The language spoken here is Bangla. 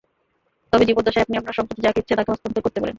তবে জীবদ্দশায় আপনি আপনার সম্পত্তি যাকে ইচ্ছা তাকে হস্তান্তর করতে পারেন।